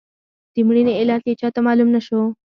د مړینې علت یې چاته معلوم نه شو.